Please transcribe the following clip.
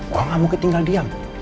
gue gak mau ketinggalan diam